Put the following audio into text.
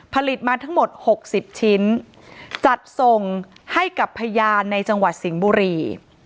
ผลิตมาทั้งหมด๖๐ชิ้นจัดส่งให้กับพยานในจังหวัดสิงห์บุรี